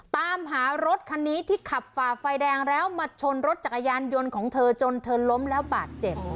ตามหารถคันนี้ที่ขับฝ่าไฟแดงแล้วมาชนรถจักรยานยนต์ของเธอจนเธอล้มแล้วบาดเจ็บ